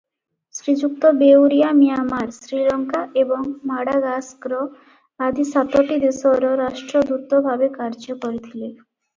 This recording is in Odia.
ଶ୍ରୀଯୁକ୍ତ ବେଉରିଆ ମିଆଁମାର, ଶ୍ରୀଲଙ୍କା ଏବଂ ମାଡାଗାସ୍କର ଆଦି ସାତଟି ଦେଶରେ ରାଷ୍ଟ୍ରଦୂତ ଭାବେ କାର୍ଯ୍ୟ କରିଥିଲେ ।